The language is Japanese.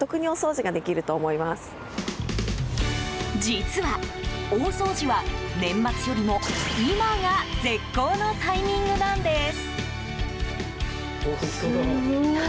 実は大掃除は、年末よりも今が絶好のタイミングなんです。